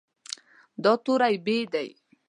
دا توری "ب" دی.